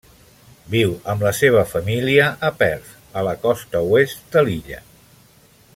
Viu amb la seva família a Perth, a la costa oest de l'illa.